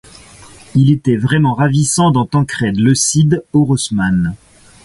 Il était vraiment ravissant dans Tancrède, le Cid, Orosmane.